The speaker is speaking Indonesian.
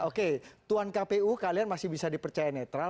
oke tuan kpu kalian masih bisa dipercaya netral